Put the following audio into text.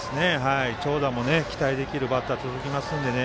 長打も期待できるバッターが続きますのでね。